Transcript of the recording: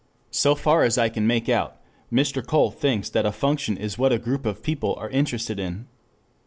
So far as I can make out, Mr. Cole thinks that a function is what a group of people are interested in.